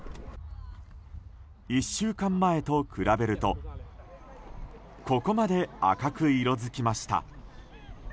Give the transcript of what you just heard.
１週間前と比べるとここまで赤く色づきました。